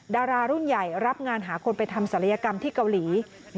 ดารารุ่นใหญ่รับงานหาคนไปทำศัลยกรรมที่เกาหลี